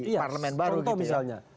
iya contoh misalnya